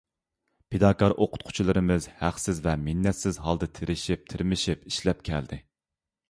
پىداكار ئوقۇتقۇچىلىرىمىز ھەقسىز ۋە مىننەتسىز ھالدا، تىرىشىپ-تىرمىشىپ ئىشلەپ كەلدى.